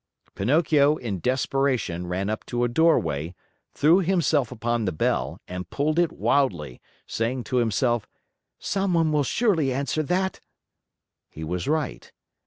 Pinocchio, in desperation, ran up to a doorway, threw himself upon the bell, and pulled it wildly, saying to himself: "Someone will surely answer that!" He was right.